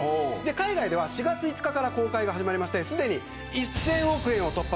海外では４月５日から公開が始まってすでに１０００億円を突破。